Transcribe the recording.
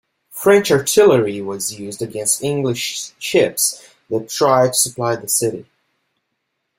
French artillery was used against English ships that tried to supply the city.